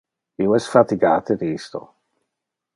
Io es fatigate de isto.